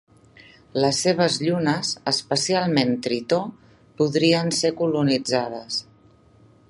Les seves llunes, especialment Tritó, podrien ser colonitzades.